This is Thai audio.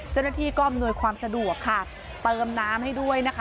เจ้าหน้าที่ก็อำนวยความสะดวกค่ะเติมน้ำให้ด้วยนะคะ